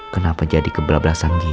kenapa jadi geblak geblak sanggih